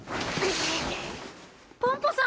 ポンポさん！